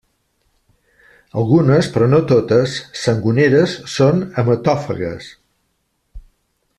Algunes, però no totes, sangoneres són hematòfagues.